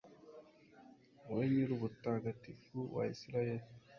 wowe Nyir’ubutagatifu wa Israheli